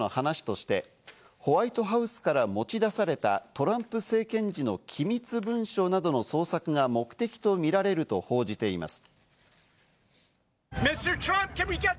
有力紙ニューヨーク・タイムズは捜査関係者の話としてホワイトハウスから持ち出されたトランプ政権時の機密文書などの捜索が目的とみられると報じています。